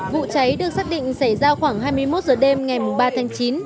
vụ cháy được xác định xảy ra khoảng hai mươi một h đêm ngày ba tháng chín